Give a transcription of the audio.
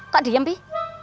kak diam pih